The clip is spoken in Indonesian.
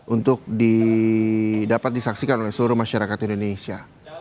untuk dapat disaksikan oleh seluruh masyarakat indonesia